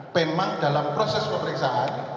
memang dalam proses pemeriksaan